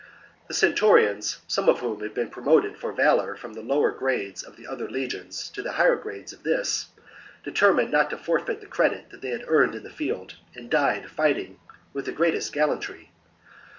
The centurions, some of whom had been promoted for valour from the lower grades of the other legions to the higher grades of this, determined not to forfeit the credit they had earned in the field, and died fighting with the greatest gallantry.